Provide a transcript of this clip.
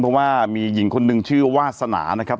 เพราะว่ามีหญิงคนหนึ่งชื่อวาสนานะครับ